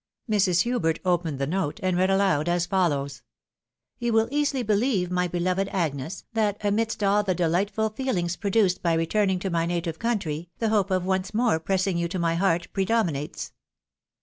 , Mrs. Hubert opened the note, and read aloud as follows :—" You will easily beheve, my beloved Agnes, that amidst all the dehghtful feelings produced by returning to my native country, the hope of once more pressing you to my heart pre dominates.